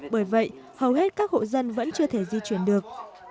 bởi vậy hầu hết các hộ dân vẫn chưa thể di chuyển được